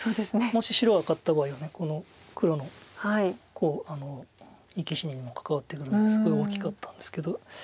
もし白が勝った場合はこの黒の生き死ににもかかわってくるんですごい大きかったんですけど。